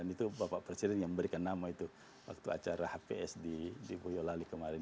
itu bapak presiden yang memberikan nama itu waktu acara hps di boyolali kemarin